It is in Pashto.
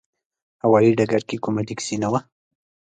هوايي ډګر کې کومه ټکسي نه وه.